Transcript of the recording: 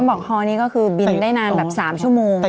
บอกฮอนี่ก็คือบินได้นานแบบ๓ชั่วโมง